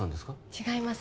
違います